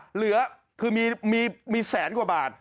เหลือคือมีแสนกว่าบาท